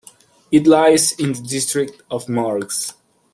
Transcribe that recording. It lies in the district of Morges.